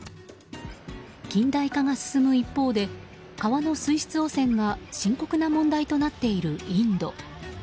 近代化が進む一方で川の水質汚染が深刻な問題となっているインド。